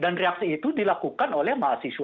dan reaksi itu dilakukan oleh pemerintah